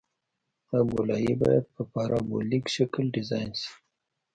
دا ګولایي باید په پارابولیک شکل ډیزاین شي